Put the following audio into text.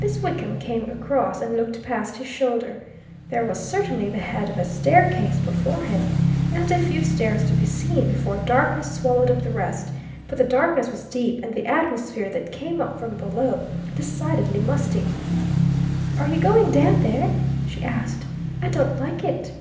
Miss Wickham came across and looked past his shoulder. There was certainly the head of a staircase before him, and a few stairs to be seen before darkness swallowed up the rest but the darkness was deep and the atmosphere that came up from below decidedly musty. "Are you going down there?" she asked. "I don't like it!"